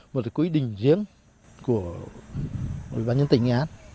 một quy định riêng của bản nhân tỉnh nghệ an